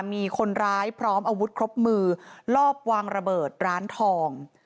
มีคนร้ายพร้อมอาวุธครบมือลอบวางระเบิดร้านทอง